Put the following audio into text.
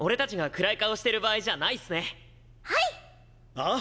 ああ！